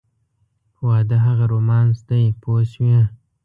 واده هغه رومانس دی پوه شوې!.